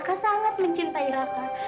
tuan teddy juga mencintai raka